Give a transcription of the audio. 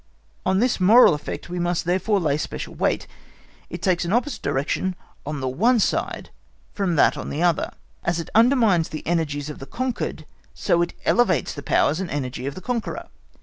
On this moral effect we must therefore lay special weight. It takes an opposite direction on the one side from that on the other; as it undermines the energies of the conquered so it elevates the powers and energy of the conqueror.